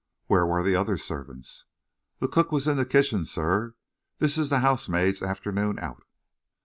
"Where were the other servants?" "The cook was in the kitchen, sir. This is the housemaid's afternoon out."